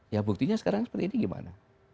ya buktinya sekarang seperti ini gimana